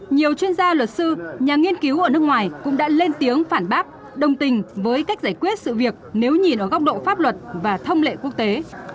nhiều chuyên gia luật sư nhà nghiên cứu ở nước ngoài cũng đã lên tiếng phản bác đồng tình với cách giải quyết sự việc nếu nhìn ở góc độ pháp luật và thông lệ quốc tế